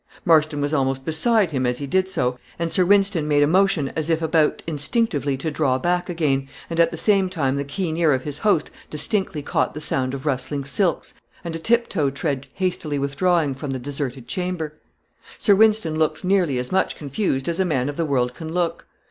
Marston was almost beside him as he did so, and Sir Wynston made a motion as if about instinctively to draw back again, and at the same time the keen ear of his host distinctly caught the sound of rustling silks and a tiptoe tread hastily withdrawing from the deserted chamber. Sir Wynston looked nearly as much confused as a man of the world can look.